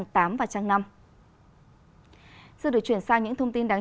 trên trang tám và trang năm